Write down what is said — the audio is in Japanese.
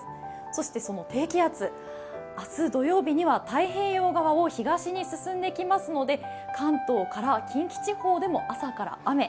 そしてその低気圧、明日土曜日には太平洋側を東に進んできますので関東から近畿地方でも朝から雨。